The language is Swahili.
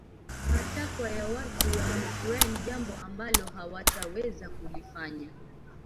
matakwa ya watu wa Ukraine jambo ambalo hawataweza kulifanya